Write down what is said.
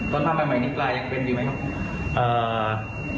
ตอนทำใหม่นี้ปลายังเป็นอีกไหมครับ